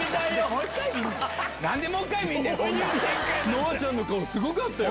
乃愛ちゃんの顔すごかったよ。